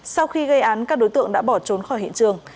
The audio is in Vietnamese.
sau khi gây án các đối tượng đã bỏ trốn khỏi hiện trường